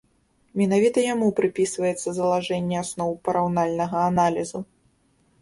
Менавіта яму прыпісваецца залажэнне асноў параўнальнага аналізу.